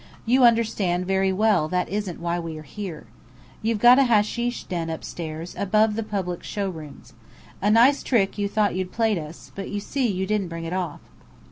"You understand very well that isn't why we are here. You've jot a hasheesh den upstairs, above the public show rooms. A nice trick you thought you'd played us, but you see you didn't bring it off."